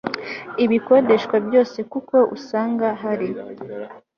ibikodeshwa byose kuko usanga hari